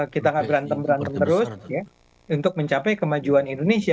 kita gak berantem berantem terus untuk mencapai kemajuan indonesia